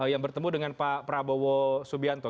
yang bertemu dengan pak prabowo subianto